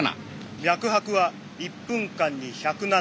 脈拍は１分間に１０７。